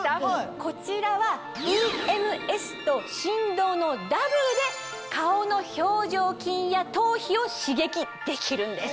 こちらはＥＭＳと振動のダブルで顔の表情筋や頭皮を刺激できるんです。